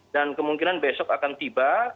kemungkinan besok akan tiba